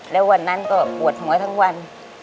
แล้ววันนั้นก็ปวดหัวทั้งวัน